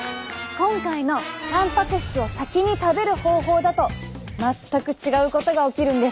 今回のたんぱく質を先に食べる方法だと全く違うことが起きるんです！